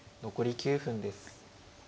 残り９分です。